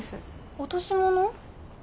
落とし物？